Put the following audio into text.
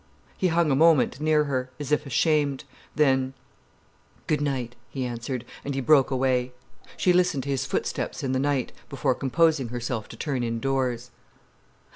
He hung a moment near her, as if ashamed. Then "Good night," he answered, and he broke away. She listened to his footsteps in the night, before composing herself to turn indoors.